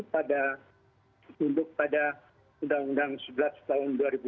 pada tunduk pada undang undang sebelas tahun dua ribu dua